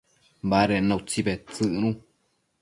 baded na utsi bedtsëcnu